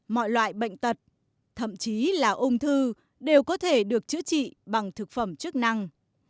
mọi loại bệnh tật thậm chí là ung thư đều có thể được chữa trị bằng thực phẩm chức năng